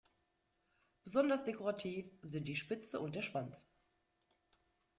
Besonders dekorativ sind die Spitze und der Schwanz.